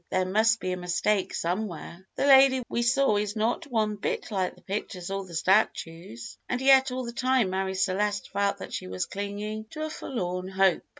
There must be a mistake somewhere. The lady we saw is not one bit like the pictures or the statues," and yet all the time Marie Celeste felt that she was clinging to a forlorn hope.